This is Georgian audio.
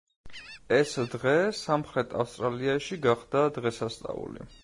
ეს დღე სამხრეთ ავსტრალიაში გახდა დღესასწაული.